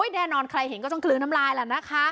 แน่นอนใครเห็นก็ต้องกลืนน้ำลายแล้วนะคะ